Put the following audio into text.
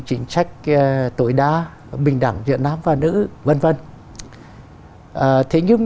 chính sách tối đa bình đẳng giữa nam và nữ vân vân thế nhưng